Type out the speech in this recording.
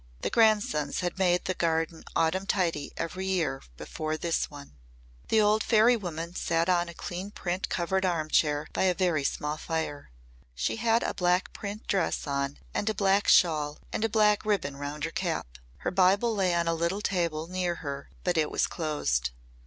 The grandsons had made the garden autumn tidy every year before this one. The old fairy woman sat on a clean print covered arm chair by a very small fire. She had a black print dress on and a black shawl and a black ribbon round her cap. Her Bible lay on a little table near her but it was closed.